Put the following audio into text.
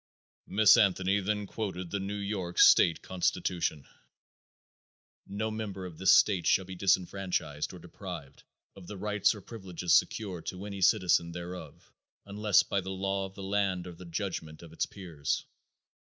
Miss Anthony then quoted the New York State Constitution: "No member of this State shall be disfranchised or deprived of the rights or privileges secured to any citizen thereof, unless by the law of the land or the judgment of its peers."